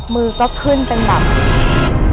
มือก็ขึ้นเป็นแบบ